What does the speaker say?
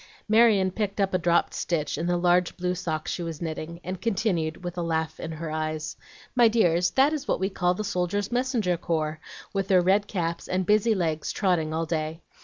Marion picked up a dropped stitch in the large blue sock she was knitting, and continued, with a laugh in her eyes: "My dears, that is what we call the Soldiers' Messenger Corps, with their red caps and busy legs trotting all day.